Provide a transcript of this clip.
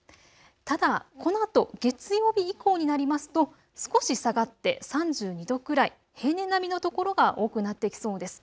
ただこのあと月曜日以降になりますと少し下がって３２度くらい、平年並みの所が多くなってきそうです。